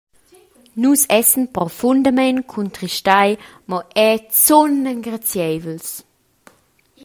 Nus essan profundamein cuntristai, mo era zun engrazieivels.